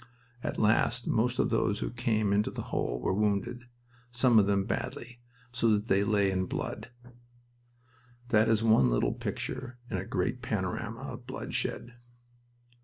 At last most of those who came into the hole were wounded, some of them badly, so that we lay in blood." That is one little picture in a great panorama of bloodshed.